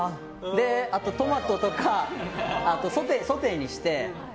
あとトマトとかソテーにして。